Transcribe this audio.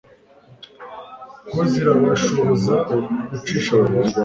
ko zirabashoboza gucisha bugufi